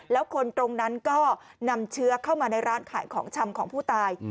แล้วคนตรงนั้นก็นำเชื้อเข้ามาในร้านขายของชำของผู้ตาย